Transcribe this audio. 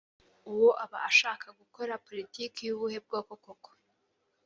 Uwo aba ashaka gukora politiki y'ubuhe bwoko koko?